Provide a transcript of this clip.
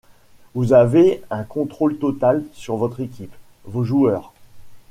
Vous avez un contrôle total sur votre équipe, vos joueurs.